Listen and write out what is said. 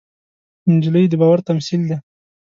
نجلۍ د باور تمثیل ده.